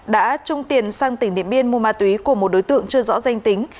đã trung tiền sang tỉnh điện biên mua ma túy của một đối tượng chưa rõ danh tính